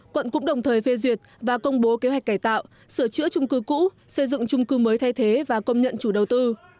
quận cũng đồng thời phê duyệt và công bố kế hoạch cải tạo sửa chữa trung cư cũ xây dựng trung cư mới thay thế và công nhận chủ đầu tư